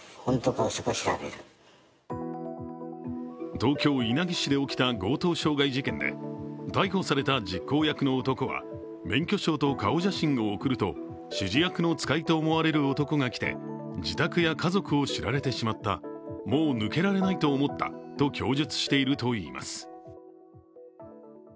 東京・稲城市で起きた強盗傷害事件で逮捕された実行役の男は免許証と顔写真を送ると指示役の使いと思われる男が来て、自宅や家族を知られてしまった、もう抜けられないと思ったと供述しているといいます。